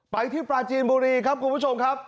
ไปที่ปลาจีนบุรีครับคุณผู้ชมครับ